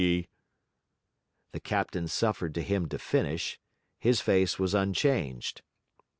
The captain suffered him to finish; his face was unchanged.